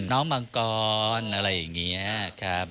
น้องมังกรอะไรอย่างเงี้ยครับ